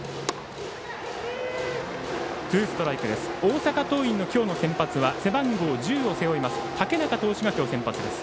大阪桐蔭の今日の先発は背番号１０を背負います